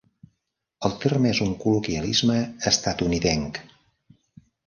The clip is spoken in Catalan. El terme es un col·loquialisme estatunidenc.